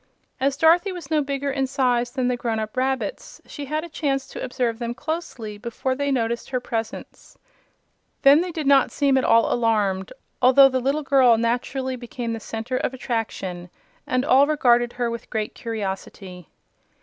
As Dorothy was no bigger in size than the grown up rabbits she had a chance to observe them closely before they noticed her presence. Then they did not seem at all alarmed, although the little girl naturally became the center of attraction and regarded her with great curiosity.